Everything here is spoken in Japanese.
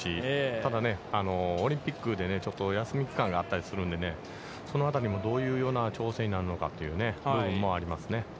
ただ、オリンピックで、休み期間があったりするのでね、そのあたりもどういうような調整なるのかという、部分もありますね。